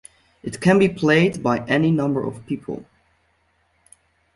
It can be played by any number of people.